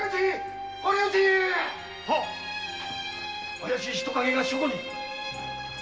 怪しい人影が書庫に‼